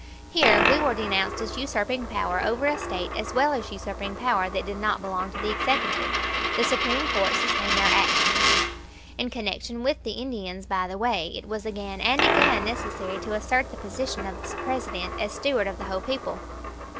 Here we were denounced as usurping power over a State as well as usurping power that did not belong to the executive. The Supreme Court sustained our action. In connection with the Indians, by the way, it was again and again necessary to assert the position of the President as steward of the whole people.